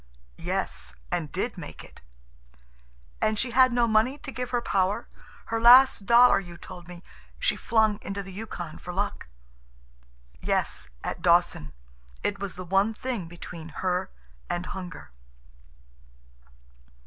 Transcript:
"Yes, and did make it." "And she had no money to give her power. Her last dollar, you told me, she flung into the Yukon for luck." "Yes, at Dawson. It was the one thing between her and hunger."